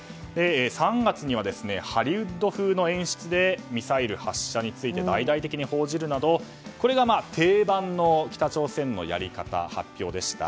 ３月にはハリウッド風の演出でミサイル発射について大々的に報じるなどこれが定番の北朝鮮のやりかた発表でした。